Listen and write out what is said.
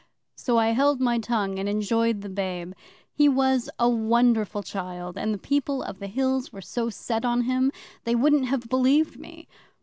So I held my tongue and enjoyed the babe. He was a wonderful child and the People of the Hills were so set on him, they wouldn't have believed me.